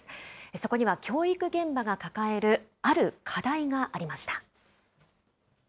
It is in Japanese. そこには教育現場が抱えるある課題がありました。